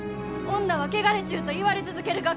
「女は汚れちゅう」と言われ続けるがか！